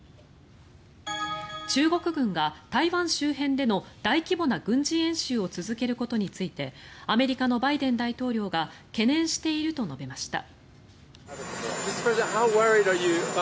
中国軍が台湾周辺での大規模な軍事演習を続けることについてアメリカのバイデン大統領が懸念していると述べました。